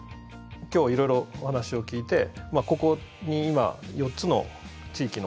今日いろいろお話を聞いてここに今４つの地域の方が集まってますね。